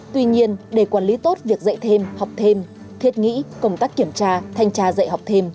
tuy nhiên để quản lý tốt việc dạy thêm học thêm thiết nghĩ công tác kiểm tra thanh tra dạy học thêm